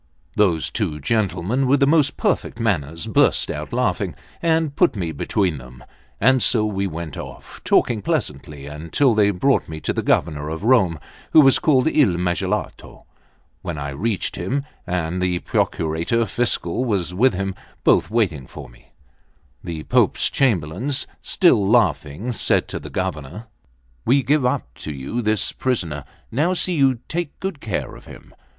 Those two gentlemen, with the most perfect manners, burst out laughing, and put me between them; and so we went off, talking pleasantly, until they brought me to the Governor of Rome, who was called Il Magalotto. When I reached him (and the Procurator Fiscal was with him both waiting for me), the Pope's Chamberlains, still laughing, said to the Governor: "We give up to you this prisoner; now see you take good care of him.